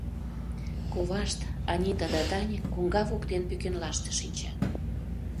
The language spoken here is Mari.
Ковашт, Анита да Даник коҥга воктен пӱкенлаште шинчат.